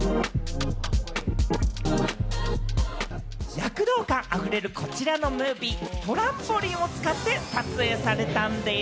躍動感あふれる、こちらのムービー、トランポリンを使って撮影されたんでぃす。